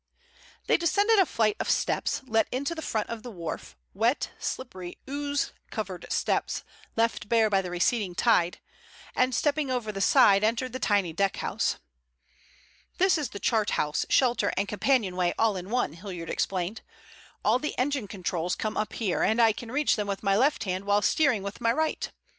They descended a flight of steps let into the front of the wharf, wet, slippery, ooze covered steps left bare by the receding tide, and stepping over the side entered the tiny deckhouse. "This is the chart house, shelter, and companion way all in one," Hilliard explained. "All the engine controls come up here, and I can reach them with my left hand while steering with my right."